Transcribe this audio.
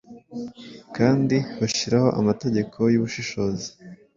Kandi bashiraho amategeko yubushishozi,